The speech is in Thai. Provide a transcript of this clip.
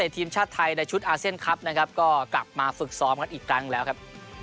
ทีมชาติไทยในชุดอาเซียนคลับนะครับก็กลับมาฝึกซ้อมกันอีกครั้งแล้วครับ